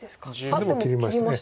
あっでも切りました。